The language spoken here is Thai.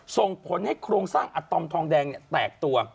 ส่งผลให้โครงสร้างอัตอมทองแดงแตกตัว